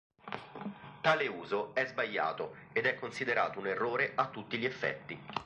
Tale uso è sbagliato ed è considerato un errore a tutti gli effetti.